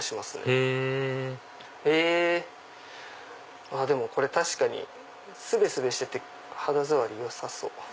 へぇでもこれ確かにスベスベしてて肌触りよさそう。